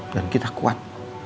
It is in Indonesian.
dan kita kuat